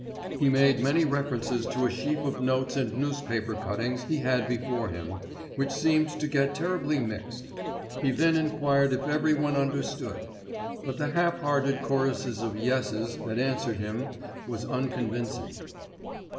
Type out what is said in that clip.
He made many references to a sheaf of notes and newspaper cuttings he had before him, which seemed to get terribly mixed. He then enquired if everyone understood; but the half hearted chorus of "Yeses" that answered him was unconvincing.